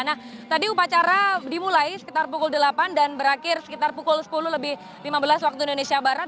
nah tadi upacara dimulai sekitar pukul delapan dan berakhir sekitar pukul sepuluh lebih lima belas waktu indonesia barat